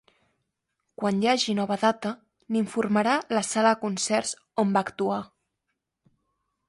Quan hi hagi nova data n'informarà la sala de concerts on va actuar.